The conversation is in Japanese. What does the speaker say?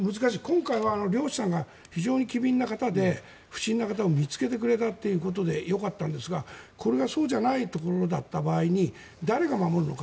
今回は漁師さんが非常に機敏な方で不審な方を見つけてくれたということでよかったんですがこれがそうじゃないところだった場合に誰が守るのか。